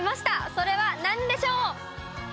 それは何でしょう？